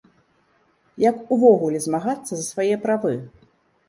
Як увогуле змагацца за свае правы?